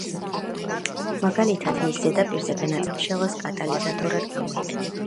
მაგალითად, მის ზედაპირზე განაწილებული პლატინა გოგირდმჟავას კატალიზატორად გამოიყენება.